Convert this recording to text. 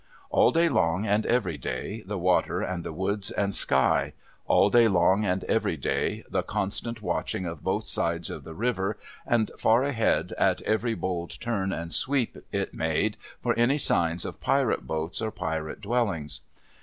All day long, and every day, the water, and the woods, and sky ; all day long, and every day, the constant watching of both sides of the river, and far ahead at every bold turn and sweep it made, for any signs of rirate boats, or Pirate dwellings.